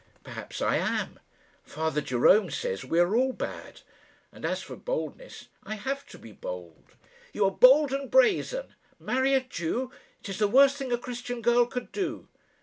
"Perhaps I am. Father Jerome says we are all bad. And as for boldness, I have to be bold." "You are bold and brazen. Marry a Jew! It is the worst thing a Christian girl could do."